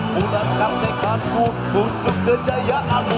mudahkan cekatku untuk kejayaanmu